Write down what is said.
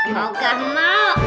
mau gak mau